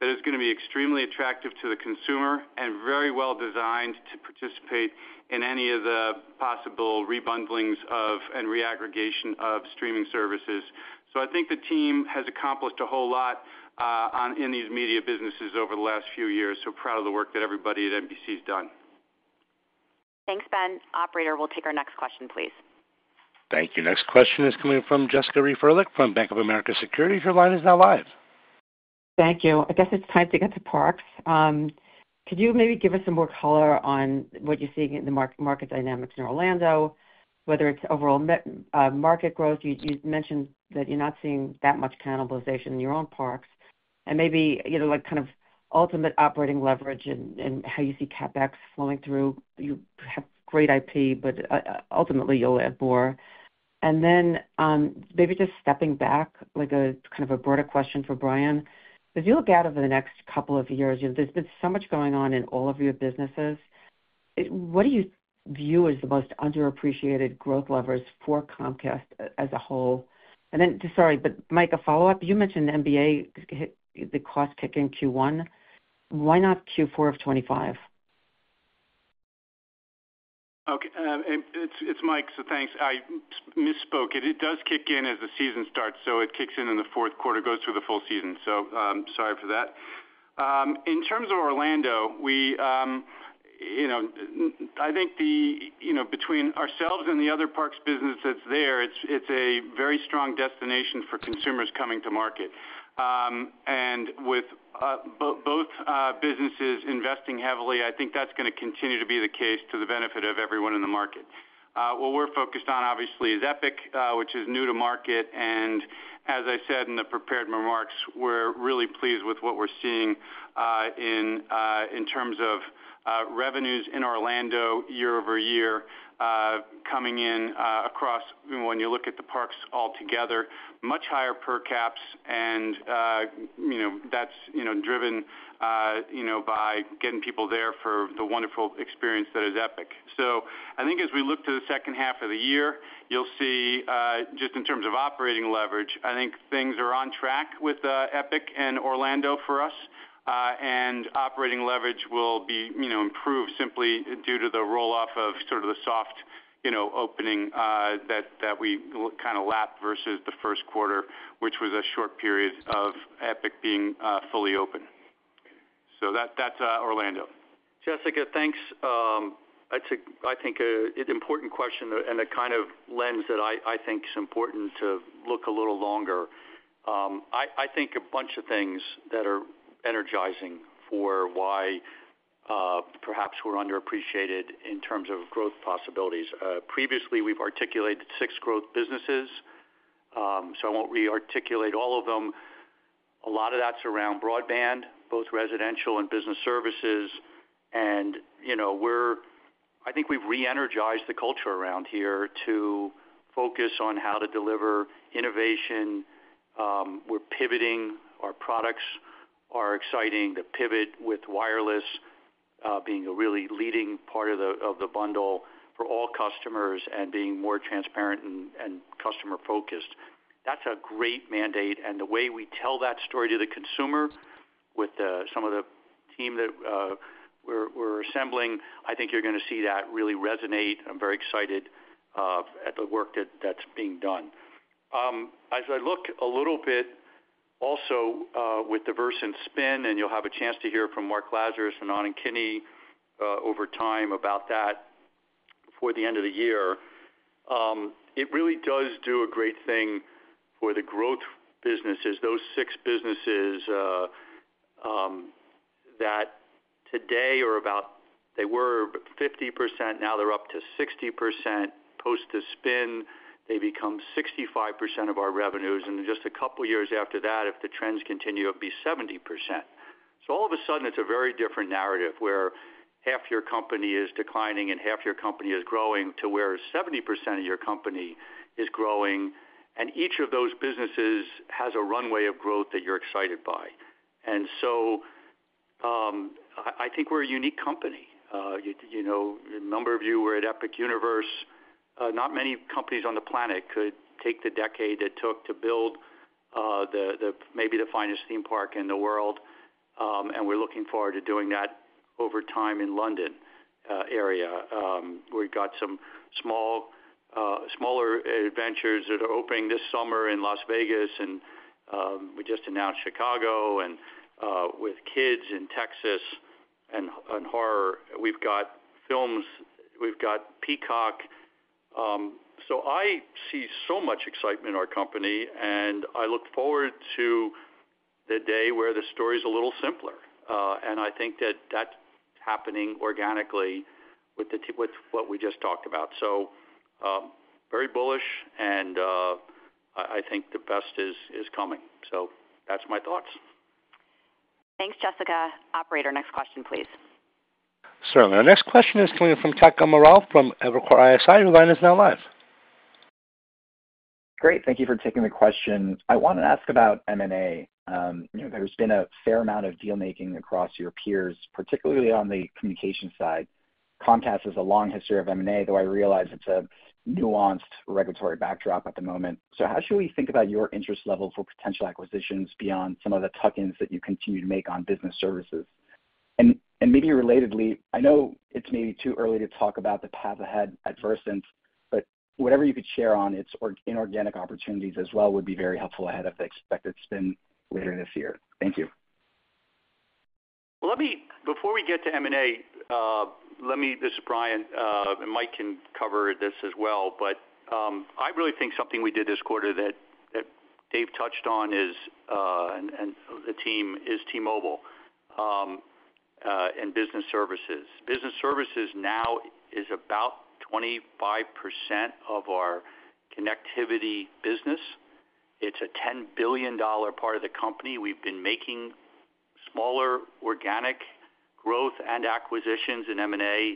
[SPEAKER 3] that is going to be extremely attractive to the consumer and very well designed to participate in any of the possible rebundlings and reaggregation of streaming services. I think the team has accomplished a whole lot in these media businesses over the last few years. So proud of the work that everybody at NBC has done.
[SPEAKER 2] Thanks, Ben. Operator, we'll take our next question, please.
[SPEAKER 1] Thank you. Next question is coming from Jessica Ryvick from Bank of America Security. Her line is now live.
[SPEAKER 11] Thank you. I guess it's time to get to Parks. Could you maybe give us some more color on what you're seeing in the market dynamics in Orlando, whether it's overall market growth? You mentioned that you're not seeing that much cannibalization in your own parks, and maybe kind of ultimate operating leverage and how you see CapEx flowing through. You have great IP, but ultimately, you'll have more. Maybe just stepping back, kind of a broader question for Brian. As you look out over the next couple of years, there's been so much going on in all of your businesses. What do you view as the most underappreciated growth levers for Comcast as a whole? Sorry, but Mike, a follow-up. You mentioned NBA. The cost kick-in Q1. Why not Q4 of 2025?
[SPEAKER 3] Okay. It's Mike, so thanks. I misspoke. It does kick in as the season starts. It kicks in in the fourth quarter, goes through the full season. In terms of Orlando, I think between ourselves and the other Parks business that's there, it's a very strong destination for consumers coming to market. With both businesses investing heavily, I think that's going to continue to be the case to the benefit of everyone in the market. What we're focused on, obviously, is Epic, which is new to market. As I said in the prepared remarks, we're really pleased with what we're seeing in terms of revenues in Orlando year over year, coming in across when you look at the Parks altogether, much higher per caps. That's driven by getting people there for the wonderful experience that is Epic. I think as we look to the second half of the year, you'll see just in terms of operating leverage, things are on track with Epic and Orlando for us. Operating leverage will be improved simply due to the roll-off of sort of the soft opening that we kind of lapped versus the first quarter, which was a short period of Epic being fully open. That's Orlando. Jessica, thanks. I think an important question and a kind of lens that I think is important to look a little longer. I think a bunch of things that are energizing for why perhaps we're underappreciated in terms of growth possibilities. Previously, we've articulated six growth businesses. I won't rearticulate all of them. A lot of that's around broadband, both residential and business services. I think we've reenergized the culture around here to focus on how to deliver innovation. We're pivoting. Our products are exciting. The pivot with wireless being a really leading part of the bundle for all customers and being more transparent and customer-focused, that's a great mandate. The way we tell that story to the consumer with some of the team that we're assembling, I think you're going to see that really resonate. I'm very excited at the work that's being done. As I look a little bit also with the Versant spin, you'll have a chance to hear from Mark Lazarus and Anand Kinney over time about that before the end of the year. It really does do a great thing for the growth businesses, those six businesses that today are about, they were 50%, now they're up to 60%. Post the spin, they become 65% of our revenues. Just a couple of years after that, if the trends continue, it'll be 70%. All of a sudden, it's a very different narrative where half your company is declining and half your company is growing to where 70% of your company is growing. Each of those businesses has a runway of growth that you're excited by. I think we're a unique company. A number of you were at Epic Universe. Not many companies on the planet could take the decade it took to build maybe the finest theme park in the world. We're looking forward to doing that over time in the London area. We've got some smaller adventures that are opening this summer in Las Vegas, and we just announced Chicago. With kids in Texas and Har, we've got films. We've got Peacock. I see so much excitement in our company, and I look forward to the day where the story is a little simpler. I think that that's happening organically with what we just talked about. Very bullish, and I think the best is coming. That's my thoughts.
[SPEAKER 2] Thanks, Jessica. Operator, next question, please.
[SPEAKER 1] Certainly. Our next question is coming in from Tadka Moral from Evercore ISI. Your line is now live.
[SPEAKER 12] Great. Thank you for taking the question. I want to ask about M&A. There's been a fair amount of deal-making across your peers, particularly on the communication side. Comcast has a long history of M&A, though I realize it's a nuanced regulatory backdrop at the moment. How should we think about your interest level for potential acquisitions beyond some of the tuck-ins that you continue to make on business services? Maybe relatedly, I know it's maybe too early to talk about the path ahead at Versant, but whatever you could share on its inorganic opportunities as well would be very helpful ahead of the expected spin later this year. Thank you.
[SPEAKER 10] Before we get to M&A, this is Brian. Mike can cover this as well, but I really think something we did this quarter that Dave touched on is the team is T-Mobile and business services. Business services now is about 25% of our connectivity business. It's a $10 billion part of the company. We've been making smaller organic growth and acquisitions in M&A,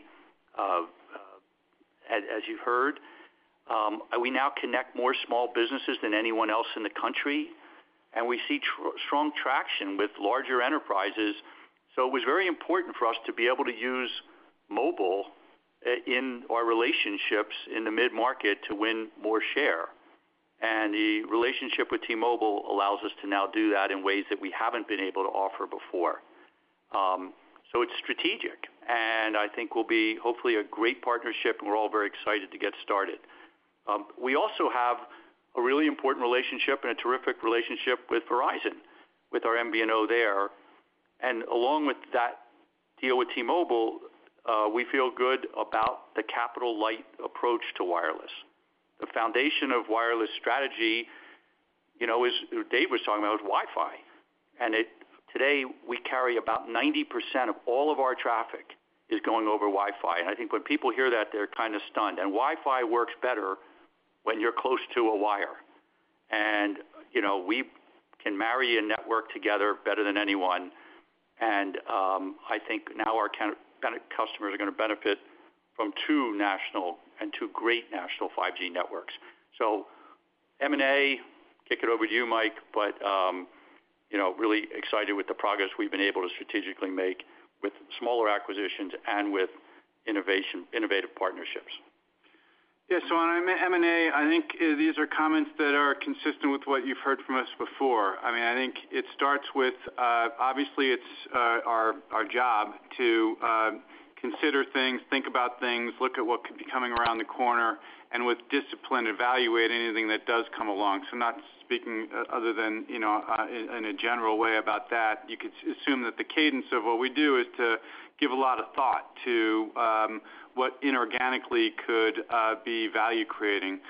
[SPEAKER 10] as you've heard. We now connect more small businesses than anyone else in the country, and we see strong traction with larger enterprises. It was very important for us to be able to use mobile in our relationships in the mid-market to win more share, and the relationship with T-Mobile allows us to now do that in ways that we haven't been able to offer before. It's strategic, and I think will be hopefully a great partnership, and we're all very excited to get started. We also have a really important relationship and a terrific relationship with Verizon, with our MVNO there. Along with that deal with T-Mobile, we feel good about the capital light approach to wireless. The foundation of wireless strategy, as Dave was talking about, is Wi-Fi. Today, we carry about 90% of all of our traffic over Wi-Fi. I think when people hear that, they're kind of stunned. Wi-Fi works better when you're close to a wire. We can marry a network together better than anyone. I think now our customers are going to benefit from two national and two great national 5G networks. On M&A, I think these are comments that are consistent with what you've heard from us before. I think it starts with, obviously, it's our job to consider things, think about things, look at what could be coming around the corner, and with discipline, evaluate anything that does come along. I'm not speaking other than in a general way about that. You could assume that the cadence of what we do is to give a lot of thought to what inorganically could be value-creating.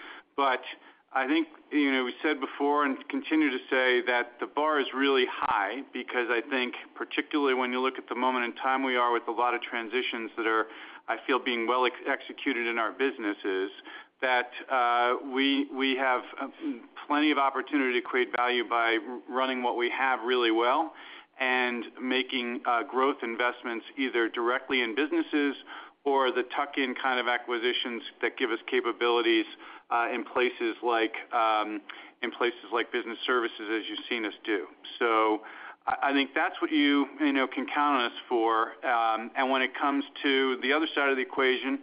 [SPEAKER 10] I think we said before and continue to say that the bar is really high because, particularly when you look at the moment in time we are with a lot of transitions that are, I feel, being well executed in our businesses, we have plenty of opportunity to create value by running what we have really well and making growth investments either directly in businesses or the tuck-in kind of acquisitions that give us capabilities in places like business services, as you've seen us do. I think that's what you can count on us for. When it comes to the other side of the equation,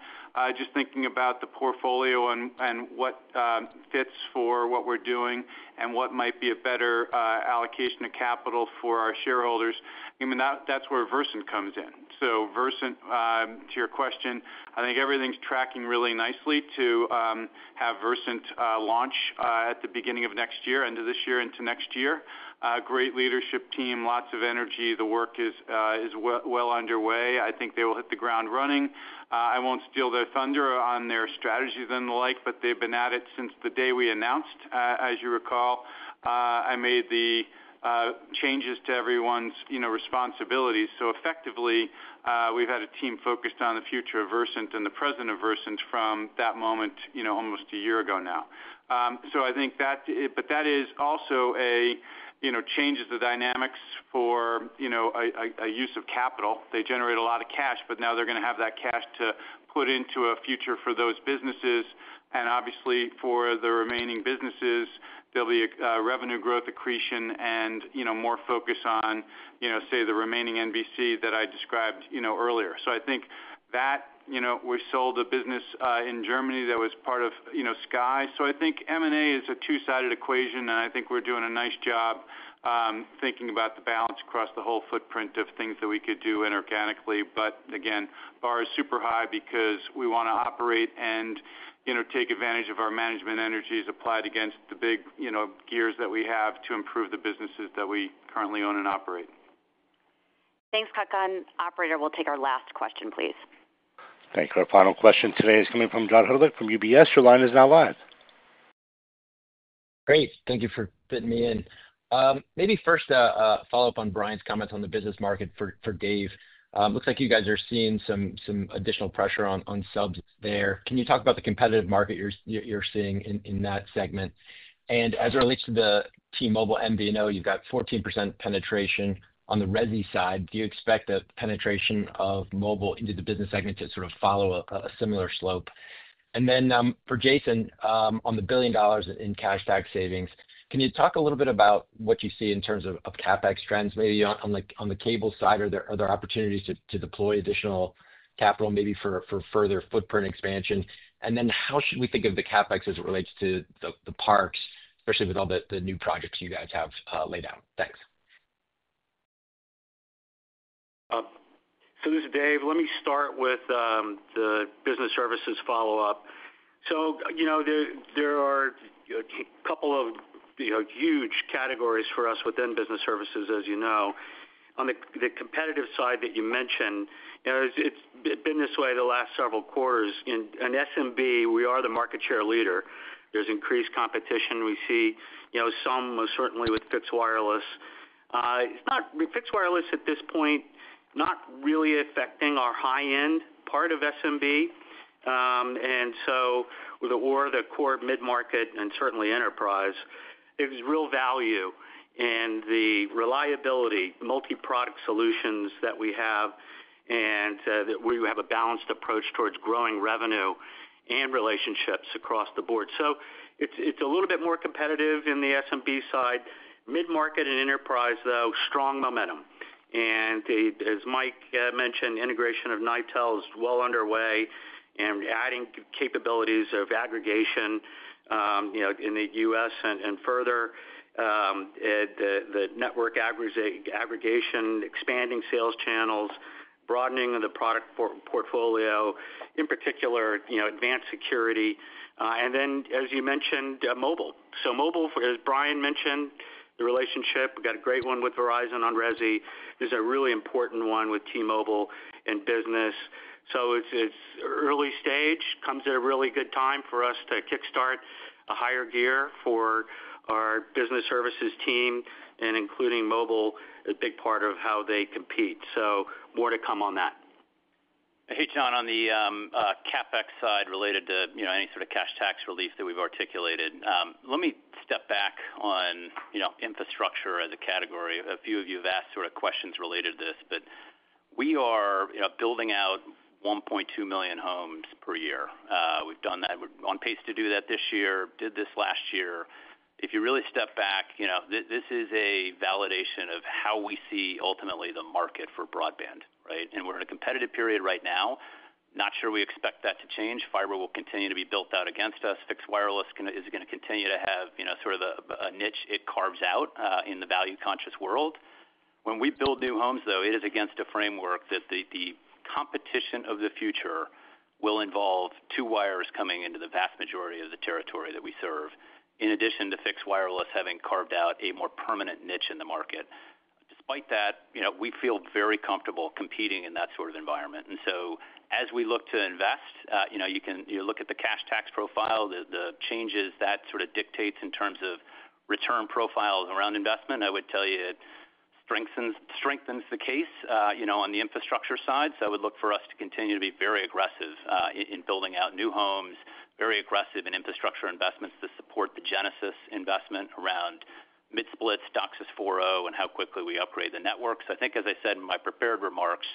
[SPEAKER 10] just thinking about the portfolio and what fits for what we're doing and what might be a better allocation of capital for our shareholders, that's where Versant comes in. Versant, to your question, I think everything's tracking really nicely to have Versant launch at the beginning of next year, end of this year, into next year. Great leadership team, lots of energy. The work is well underway. I think they will hit the ground running. I won't steal their thunder on their strategies and the like, but they've been at it since the day we announced. As you recall, I made the changes to everyone's responsibilities. Effectively, we've had a team focused on the future of Versant and the present of Versant from that moment almost a year ago now. I think that is also a change in the dynamics for a use of capital. They generate a lot of cash, but now they're going to have that cash to put into a future for those businesses. Obviously, for the remaining businesses, there'll be revenue growth, accretion, and more focus on, say, the remaining NBC that I described earlier. I think that we sold a business in Germany that was part of Sky. M&A is a two-sided equation, and I think we're doing a nice job thinking about the balance across the whole footprint of things that we could do inorganically. Again, bar is super high because we want to operate and take advantage of our management energies applied against the big gears that we have to improve the businesses that we currently own and operate.
[SPEAKER 2] Thanks, Tadka. Operator, we'll take our last question, please.
[SPEAKER 1] Thank you. Our final question today is coming from John Hurlick from UBS. Your line is now live.
[SPEAKER 13] Great. Thank you for fitting me in. Maybe first, a follow-up on Brian's comments on the business market for Dave.
[SPEAKER 2] Looks like you guys are seeing some additional pressure on subs there. Can you talk about the competitive market you're seeing in that segment? As it relates to the T-Mobile MVNO, you've got 14% penetration on the Resi side. Do you expect the penetration of mobile into the business segment to sort of follow a similar slope? For Jason, on the billion dollars in cash back savings, can you talk a little bit about what you see in terms of CapEx trends? Maybe on the cable side, are there opportunities to deploy additional capital maybe for further footprint expansion? How should we think of the CapEx as it relates to the parks, especially with all the new projects you guys have laid out? Thanks.
[SPEAKER 6] This is Dave. Let me start with the business services follow-up. There are a couple of huge categories for us within business services, as you know. On the competitive side that you mentioned, it's been this way the last several quarters. In SMB, we are the market share leader. There's increased competition. We see some, certainly with fixed wireless. Fixed wireless at this point. Not really affecting our high-end part of SMB. The core mid-market and certainly enterprise, there's real value in the reliability, multi-product solutions that we have, and that we have a balanced approach towards growing revenue and relationships across the board. It's a little bit more competitive in the SMB side. Mid-market and enterprise, though, strong momentum. As Mike mentioned, integration of Nitell is well underway and adding capabilities of aggregation. In the U.S. and further, the network aggregation, expanding sales channels, broadening of the product portfolio, in particular advanced security. As you mentioned, mobile. Mobile, as Brian mentioned, the relationship, we've got a great one with Verizon on Resi. There's a really important one with T-Mobile in business. It's early stage. Comes at a really good time for us to kickstart a higher gear for our business services team and including mobile is a big part of how they compete. More to come on that. Hey, John, on the CapEx side related to any sort of cash tax relief that we've articulated, let me step back on infrastructure as a category. A few of you have asked questions related to this, but we are building out 1.2 million homes per year. We've done that. We're on pace to do that this year. Did this last year. If you really step back, this is a validation of how we see ultimately the market for broadband, right? We're in a competitive period right now. Not sure we expect that to change. Fiber will continue to be built out against us. Fixed wireless is going to continue to have sort of a niche it carves out in the value-conscious world. When we build new homes, though, it is against a framework that the competition of the future will involve two wires coming into the vast majority of the territory that we serve, in addition to fixed wireless having carved out a more permanent niche in the market. Despite that, we feel very comfortable competing in that sort of environment. As we look to invest, you can look at the cash tax profile, the changes that sort of dictates in terms of return profile around investment. I would tell you it strengthens the case on the infrastructure side. I would look for us to continue to be very aggressive in building out new homes, very aggressive in infrastructure investments to support the Genesis investment around mid-splits, DOCSIS 4.0, and how quickly we upgrade the networks. I think, as I said in my prepared remarks,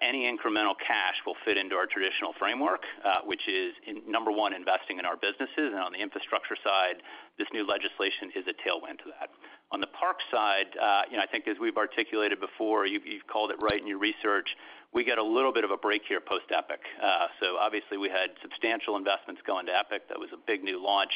[SPEAKER 6] any incremental cash will fit into our traditional framework, which is, number one, investing in our businesses. On the infrastructure side, this new legislation is a tailwind to that. On the park side, I think, as we've articulated before, you've called it right in your research, we get a little bit of a break here post-Epic Universe. Obviously, we had substantial investments going to Epic Universe. That was a big new launch.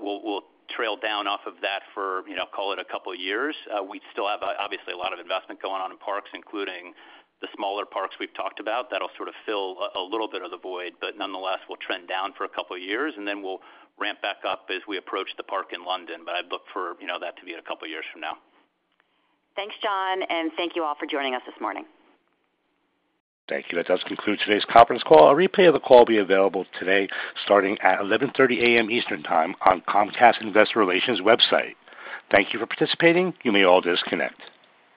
[SPEAKER 6] We'll trail down off of that for, call it, a couple of years. We still have, obviously, a lot of investment going on in parks, including the smaller parks we've talked about. That'll sort of fill a little bit of the void, but nonetheless, we'll trend down for a couple of years, and then we'll ramp back up as we approach the park in London. I'd look for that to be in a couple of years from now.
[SPEAKER 2] Thanks, John, and thank you all for joining us this morning.
[SPEAKER 1] Thank you. That does conclude today's conference call. A replay of the call will be available today starting at 11:30 A.M. Eastern Time on the Comcast Investor Relations website. Thank you for participating. You may all disconnect.